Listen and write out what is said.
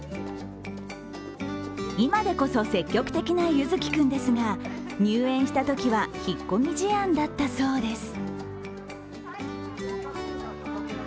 今でこそ積極的なゆづきくんですが入園したときは引っ込み思案だったそうです。